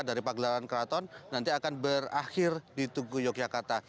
dari pagelaran keraton nanti akan berakhir di tugu yogyakarta